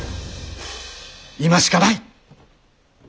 今しかない！